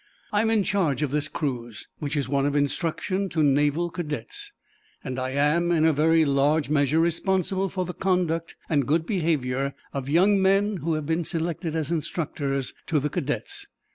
I am in charge of this cruise, which is one of instruction to naval cadets, and I am in a very large measure responsible for the conduct and good behavior of young men who have been selected as instructors to the cadets.